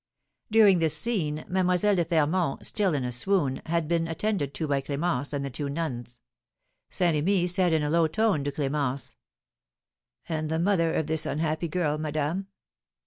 During this scene, Mlle. de Fermont, still in a swoon, had been attended to by Clémence and the two nuns. Saint Remy said in a low tone to Clémence: "And the mother of this unhappy girl, madame?"